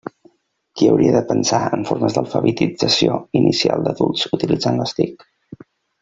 Qui hauria de pensar en formes d'alfabetització inicial d'adults utilitzant les TIC?